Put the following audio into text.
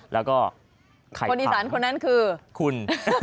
แล้วก็คนอีสานคนนั้นคือคุณ